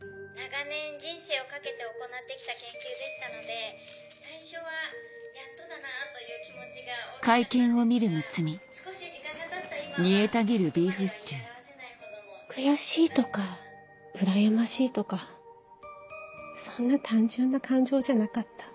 長年人生を懸けて行ってきた研究で最初はやっとだなという気持ちが大きかったんですが少し時間がたった今は言葉では言い表せないほどの悔しいとかうらやましいとかそんな単純な感情じゃなかった。